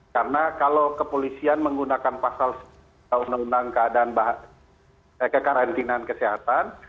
karena kalau kepolisian menggunakan pasal kekarantinan kesehatan